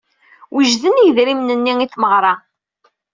Wejden yirden-nni i tmegra.